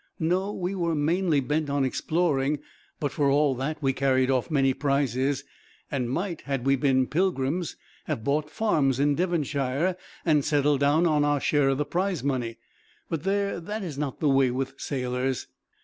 "No, we were mainly bent on exploring; but for all that we carried off many prizes, and might, had we been pilgrims, have bought farms in Devonshire, and settled down on our share of the prize money; but there, that is not the way with sailors.